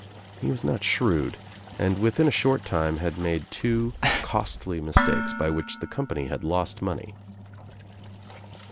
He was not shrewd and within a short time had made two costly mistakes by which the company had , lost money.